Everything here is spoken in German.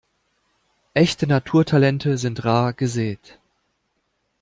Echte Naturtalente sind rar gesät.